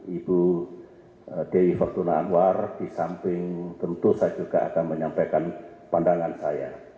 ibu dewi fortuna anwar disamping tentu saya juga akan menyampaikan pandangan saya